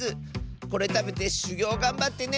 これたべてしゅぎょうがんばってねって！